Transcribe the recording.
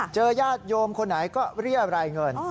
เจอยาดโยมคนไหนก็เรียรายเงิน